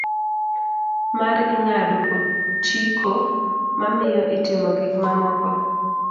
Mar ng'ado otiko ma miyo itimo gik mamoko.